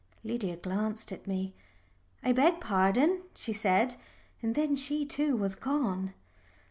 Lydia glanced at me. "I beg pardon," she said; and then she too was gone.